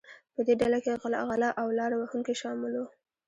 په دې ډله کې غلۀ او لاره وهونکي شامل وو.